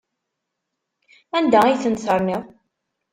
Anda ay tent-terniḍ?